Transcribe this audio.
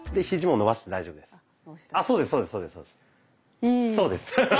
そうです。え！